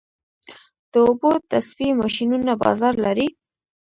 د اوبو تصفیې ماشینونه بازار لري؟